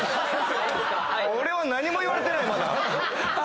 俺は何も言われてないまだ。